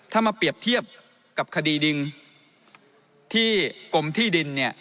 ถ้ามาเปรียบเทียบกับคดีดินที่กรมที่ดินเนี่ย